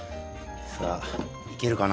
さあいけるかな。